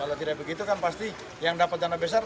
kalau tidak begitu kan pasti yang dapat dana besar